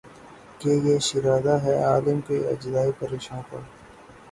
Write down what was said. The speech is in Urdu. کہ یہ شیرازہ ہے عالم کے اجزائے پریشاں کا